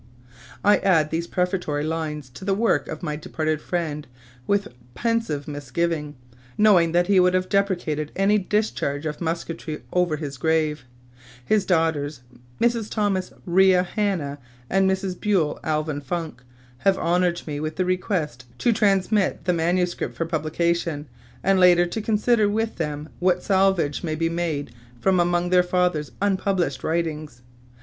I add these prefatory lines to the work of my departed friend with pensive misgiving, knowing that he would have deprecated any discharge of musketry over his grave. His daughters, Mrs. Thomas Rea Hanna and Mrs. Buel Alvin Funk, have honored me with the request to transmit the manuscript for publication, and later to consider with them what salvage may be made from among their father's unpublished writings.